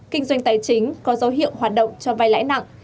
kinh doanh tài chính có dấu hiệu hoạt động cho vai lãi nặng